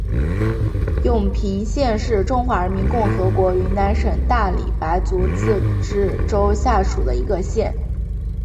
永平县是中华人民共和国云南省大理白族自治州下属的一个县。